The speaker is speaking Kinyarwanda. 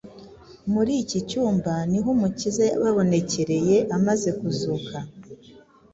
Muri iki cyumba ni ho Umukiza yababonekereye amaze kuzuka.